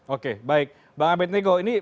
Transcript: oke baik bang abed nego ini